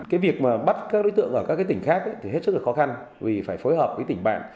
cái việc mà bắt các đối tượng ở các tỉnh khác thì hết sức là khó khăn vì phải phối hợp với tỉnh bạn